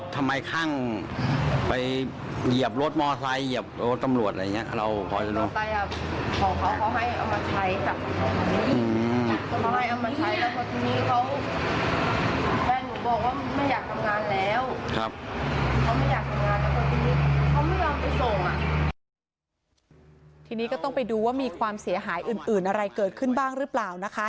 ทีนี้ก็ต้องไปดูว่ามีความเสียหายอื่นอะไรเกิดขึ้นบ้างหรือเปล่านะคะ